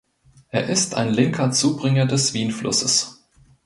Er ist ein linker Zubringer des Wienflusses.